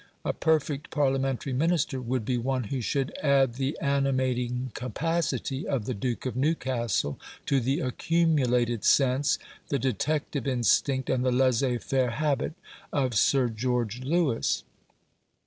A perfect Parliamentary Minister would be one who should add the animating capacity of the Duke of Newcastle to the accumulated sense, the detective instinct, and the laissez faire habit of Sir George Lewis.